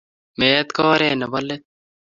Meet ko oret nebo let.